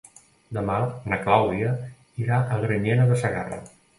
Demà na Clàudia irà a Granyena de Segarra.